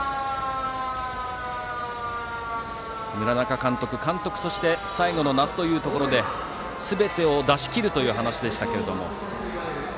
村中監督、監督として最後の夏というところですべてを出し切るという話でしたが。